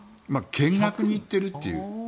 見学に行っているっていう。